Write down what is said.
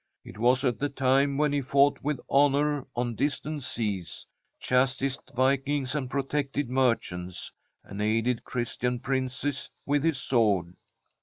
It was at the time when he fought with honour on distant seas, chastised vikings and protected merchants, and aided Christian princes with his sword.